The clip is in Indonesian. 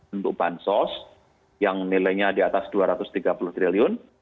untuk bansos yang nilainya di atas rp dua ratus tiga puluh triliun